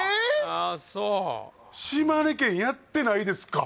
あっそう島根県やってないですか？